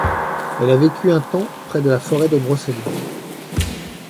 Elle a vécu un temps près de la forêt de Brocéliande.